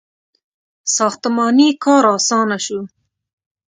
• ساختماني کار آسانه شو.